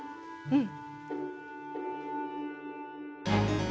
うん！